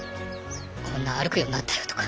こんな歩くようになったよとか。